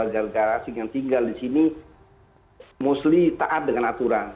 garasi yang tinggal di sini mostly taat dengan aturan